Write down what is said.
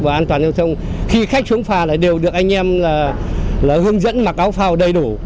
và an toàn giao thông khi khách xuống pha đều được anh em hướng dẫn mặc áo phao đầy đủ